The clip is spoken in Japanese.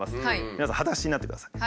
皆さんはだしになってください。